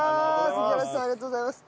五十嵐さんありがとうございます。